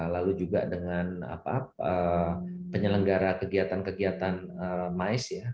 lalu juga dengan penyelenggara kegiatan kegiatan mice